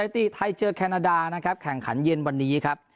ติไทยเจอแคนาดานะครับแข่งขันเย็นวันนี้ครับ